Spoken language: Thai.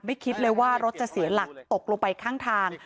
คิดเลยว่ารถจะเสียหลักตกลงไปข้างทาง